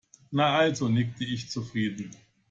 Na also, nickte ich zufrieden.